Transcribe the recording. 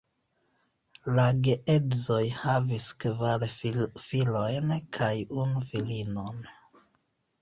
La geedzoj havis kvar filojn kaj unu filinon.